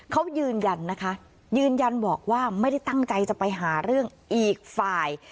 เขายืนยันนะคะยืนยันบอกว่าไม่ได้ตั้งใจจะไปหาเรื่องอีกฝ่าย